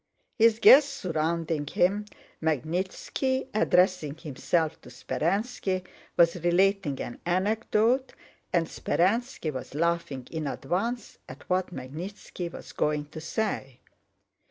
His guests surrounded him. Magnítski, addressing himself to Speránski, was relating an anecdote, and Speránski was laughing in advance at what Magnítski was going to say.